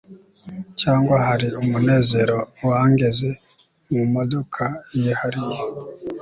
cyangwa hari umunezero wangeze mumodoka yihariye